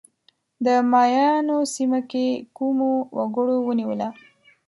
د مایایانو سیمه کومو وګړو ونیوله؟